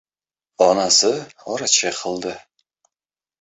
Onasi oracha qildi.